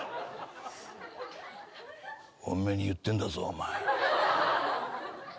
お前に言ってんだぞお前。